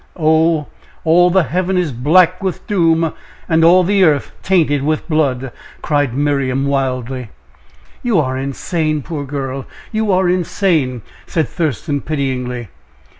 Oh, all the heaven is black with doom, and all the earth tainted with blood!" cried Miriam, wildly. "You are insane, poor girl! you are insane!" said Thurston, pityingly.